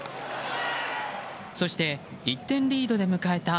そして、１点リードで迎えた